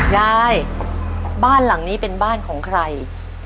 ยายบ้านหลังนี้เป็นบ้านของใคร